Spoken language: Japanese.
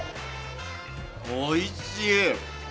おいしい。